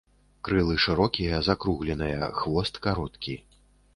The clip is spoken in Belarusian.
Крылы шырокія, закругленыя, хвост кароткі.